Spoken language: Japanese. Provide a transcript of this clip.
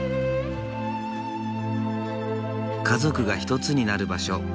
家族が一つになる場所。